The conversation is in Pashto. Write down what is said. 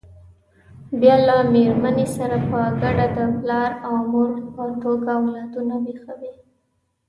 بیا له مېرمنې سره په ګډه د پلار او مور په توګه اولادونه ویښوي.